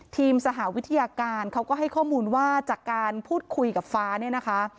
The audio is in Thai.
สหวิทยาการเขาก็ให้ข้อมูลว่าจากการพูดคุยกับฟ้าเนี่ยนะคะ